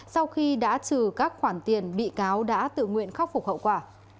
sau khi đã trừ các khoản tiền bị cáo đã tự nguyện khắc phục hậu quả